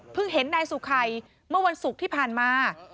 เห็นนายสุไขเมื่อวันศุกร์ที่ผ่านมา